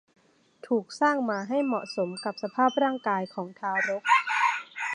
ถูกสร้างมาให้เหมาะสมกับสภาพร่างกายของทารก